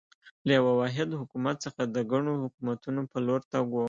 له یوه واحد حکومت څخه د ګڼو حکومتونو په لور تګ و.